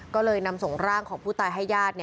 ก็เลยนำส่งร่างของผู้ตายให้ญาติ